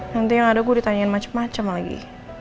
nanti yang ada gue ditanyain macem macem lagi